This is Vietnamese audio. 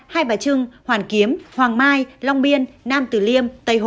hai bà trưng hoàn kiếm hoàng mai